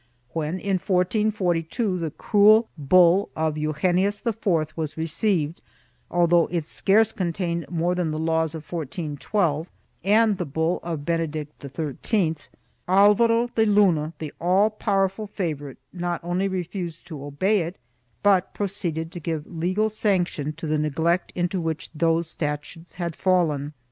When, in 1442, the cruel bull of Eugenius IV was received, although it scarce contained more than the laws of 1412 and the bull of Benedict XIII, Alvaro de Luna, the all powerful favorite, not only refused to obey it but proceeded to give legal sanction to the neglect into which those statutes had fallen.